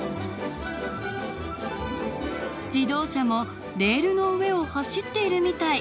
自動車もレールの上を走っているみたい。